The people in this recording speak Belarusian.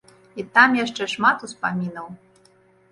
І там яшчэ шмат успамінаў.